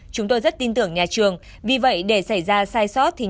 chúng tôi rất tin tưởng nhà trường vì vậy để xảy ra sai sót thì nhà trường